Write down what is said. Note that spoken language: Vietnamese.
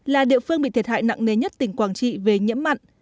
là địa phương bị thiệt hại nặng nề nhất tỉnh quảng trị về nhiễm mặn